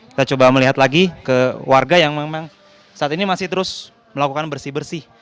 kita coba melihat lagi ke warga yang memang saat ini masih terus melakukan bersih bersih